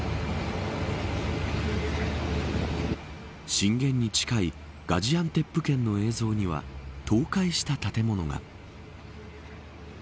震源に近いガジアンテップ県の映像には倒壊した建物が。